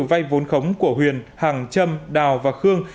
vay vốn khống của huyền hàng trâm đào và khương